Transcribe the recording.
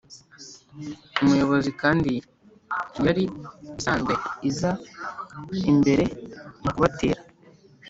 umuyubozi kandi yari isanzwe iza imbere mukubatera